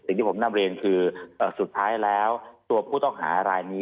สิ่งที่ผมนำเรียนคือสุดท้ายแล้วตัวผู้ต้องหารายนี้